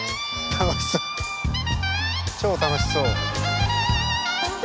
楽しそう超楽しそう。